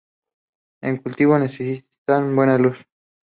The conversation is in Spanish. En cultivo necesitan buena luz.